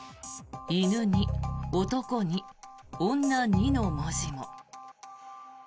「犬２男２女２」の文字も。